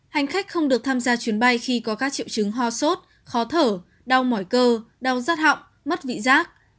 hành khách không được tham gia chuyến bay khi có các triệu chứng ho sốt khó thở đau mỏi cơ đau rắt họng mất vị giác